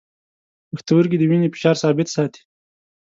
پښتورګي د وینې فشار ثابت ساتي.